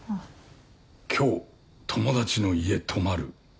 「今日友達の家泊まる」